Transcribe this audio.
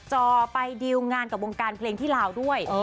จอไปดิวงานกับวงการเพลงที่ลาวด้วย